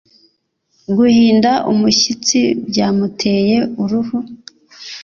Guhinda umushyitsi byamuteye uruhu